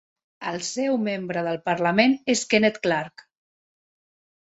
El seu membre del parlament és Kenneth Clarke.